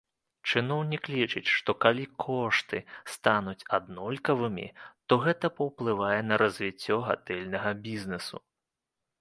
Чыноўнік лічыць, што калі кошты стануць аднолькавымі, то гэта паўплывае на развіццё гатэльнага бізнэсу.